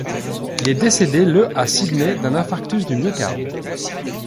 Il est décédé le à Sydney d'un infarctus du myocarde.